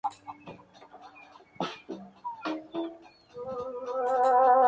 Tienen un cierto tiempo para prepararse para eso.